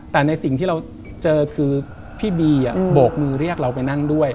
แต่ในสิ่งที่เราเจอคือพี่บีโบกมือเรียกเราไปนั่งด้วย